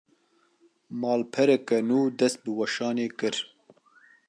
Malpereke nû, dest bi weşanê kir